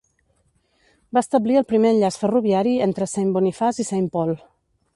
Va establir el primer enllaç ferroviari entre Saint Boniface i Saint Paul.